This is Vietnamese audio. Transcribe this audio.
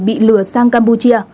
bị lừa sang campuchia